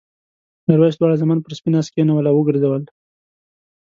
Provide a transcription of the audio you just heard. میرويس دواړه زامن پر سپین آس کېنول او وګرځول.